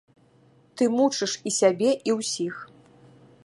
Ты мучыш і сябе і ўсіх.